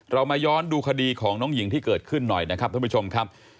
เรามาย้อนดูคดีของน้องหญิงที่เกิดขึ้นหน่อยนะครับท่านผู้ชมครับ